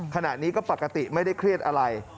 ขณะนี้ก็ปกติไม่ได้เครียดอะไร